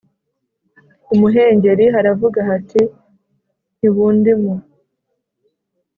Imuhengeri haravuga hati Ntibundimo